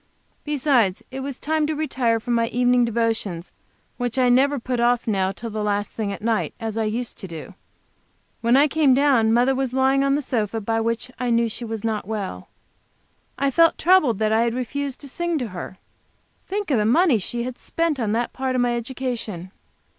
Besides, it was time to retire for my evening devotions which I never put off now till the last thing at night, as I used to do. When I came down, Mother was lying on the sofa, by which I knew she was not well. I felt troubled that I had refused to sing to her. Think of the money she had spent on that part of my education!